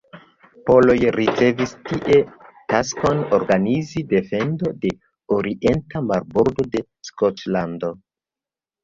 Poloj ricevis tie taskon organizi defendon de orienta marbordo de Skotlando.